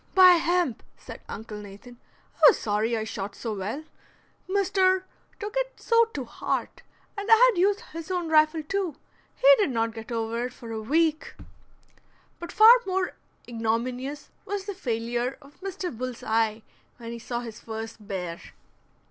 "By hemp!" said Uncle Nathan, "I was sorry I shot so well, Mr. took it so to heart; and I had used his own rifle, too. He did not get over it for a week." But far more ignominious was the failure of Mr. Bull's Eye when he saw his first bear.